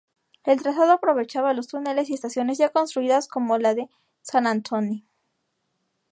El trazado aprovechaba los túneles y estaciones ya construidas, como la de San Antoni.